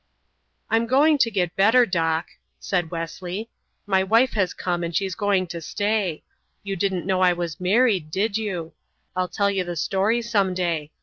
"I'm going to get better, Doc," said Wesley. "My wife has come and she's going to stay. You didn't know I was married, did you? I'll tell you the story some day.